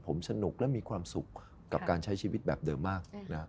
ผมสนุกและมีความสุขกับการใช้ชีวิตแบบเดิมมาก